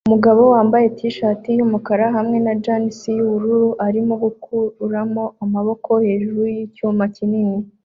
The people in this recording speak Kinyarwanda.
Umugabo wambaye t-shati yumukara hamwe na jans yubururu arimo yikuramo amaboko hejuru yicyuma kinini